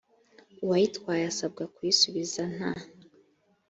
uwayitwaye asabwa kuyisubiza nta